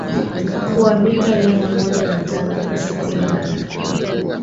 kuwa mita mia moja na tano kwa sitini na nane